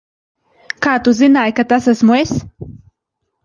Kā tu zināji, ka tas esmu es?